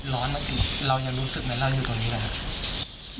ร้อนแล้วเรายังรู้สึกไหมเราอยู่ตรงนี้หรือ